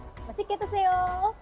terima kasih kita see you